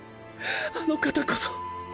あの方こそ。